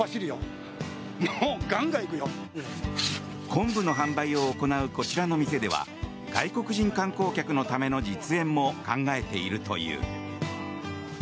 昆布の販売を行うこちらの店では外国人観光客のための実演も考えているという。